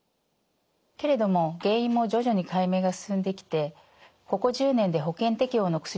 けれども原因も徐々に解明が進んできてここ１０年で保険適用の薬も出てきました。